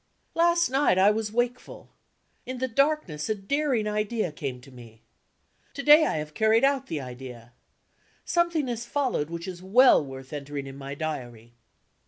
Last night, I was wakeful. In the darkness a daring idea came to me. To day, I have carried out the idea. Something has followed which is well worth entering in my Diary.